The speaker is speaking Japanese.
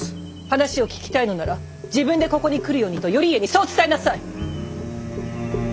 話を聞きたいのなら自分でここに来るようにと頼家にそう伝えなさい！